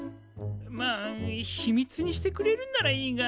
まあ秘密にしてくれるんならいいが。